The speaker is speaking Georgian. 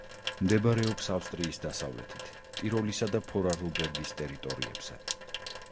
მდებარეობს ავსტრიის დასავლეთით, ტიროლისა და ფორარლბერგის ტერიტორიებზე.